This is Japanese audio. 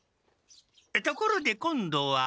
ところで今度は。